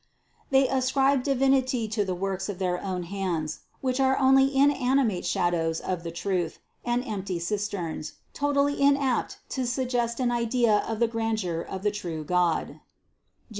They ascribe Divinity to the works of their own hands, which are only inanimate shadows of the truth and empty cisterns, totally inapt to suggest an idea of the grandeur of the true God (Jer.